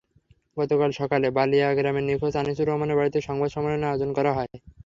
গতকাল সকালে বালিয়া গ্রামের নিখোঁজ আনিসুর রহমানের বাড়িতে সংবাদ সম্মেলনের আয়োজন করা হয়।